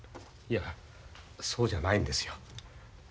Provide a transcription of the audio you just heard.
いやそうじゃないんですよ。